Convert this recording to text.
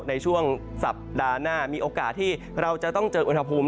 ในช่วงสัปดาห์หน้ามีโอกาสที่เราจะต้องเจออุณหภูมิ